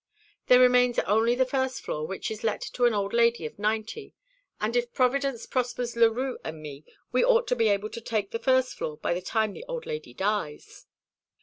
There remains only the first floor, which is let to an old lady of ninety; and if Providence prospers Leroux and me, we ought to be able to take the first floor by the time the old lady dies."